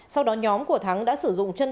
sau đó nhóm của thắng và con nợ đã xảy ra mâu thuẫn